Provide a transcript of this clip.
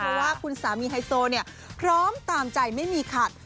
เพราะว่าคุณสามีไฮโซเนี่ยพร้อมตามใจไม่มีขัด